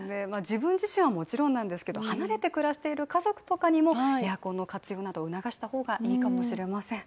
自分自身はもちろんなんですけど離れて暮らしている家族とかにもエアコンの活用などを促した方がいいかもしれません。